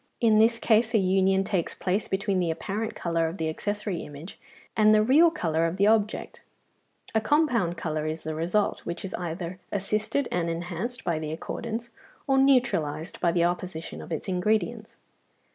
In this case a union takes place between the apparent colour of the accessory image and the real colour of the object; a compound colour is the result, which is either assisted and enhanced by the accordance, or neutralised by the opposition of its ingredients.